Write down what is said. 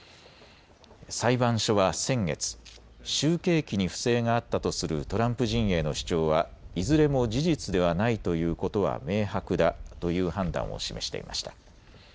裁判所は先月、集計機に不正があったとするトランプ陣営の主張はいずれも事実ではないということは明白だという判断を示していました。